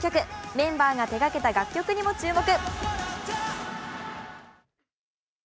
メンバーが手がけた楽曲にも注目。